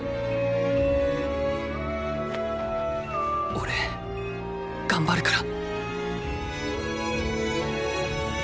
おれ頑張るから。